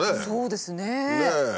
そうですね。